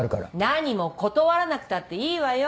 何も断らなくたっていいわよ。